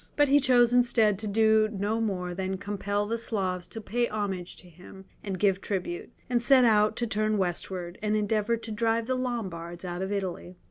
But he chose instead to do no more than compel the Slavs to pay homage to him and give tribute, and set out to turn westward, and endeavour to drive the Lombards out of Italy.